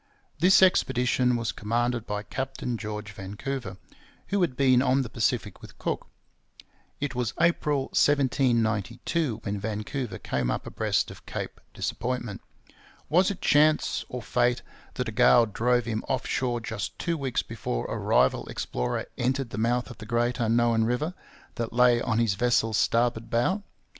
This expedition was commanded by Captain George Vancouver, who had been on the Pacific with Cook. It was April 1792 when Vancouver came up abreast of Cape Disappointment. Was it chance, or fate, that a gale drove him off shore just two weeks before a rival explorer entered the mouth of the great unknown river that lay on his vessel's starboard bow?